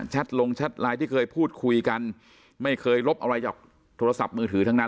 ลงแชทไลน์ที่เคยพูดคุยกันไม่เคยลบอะไรจากโทรศัพท์มือถือทั้งนั้น